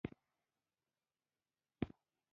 په سل هاوو زره احادیث جعل سوي وه.